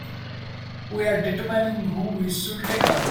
We are determining who we should take on.